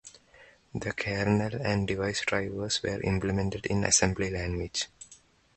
The kernel and device drivers were implemented in assembly language.